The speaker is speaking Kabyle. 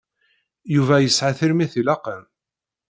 Yuba yesɛa tirmit ilaqen.